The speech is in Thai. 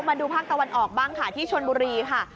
มาดูภาคตะวันออกบ้างค่ะที่ชนบุรีค่ะ